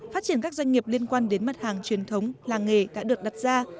phát triển các doanh nghiệp liên quan đến mặt hàng truyền thống làng nghề đã được đặt ra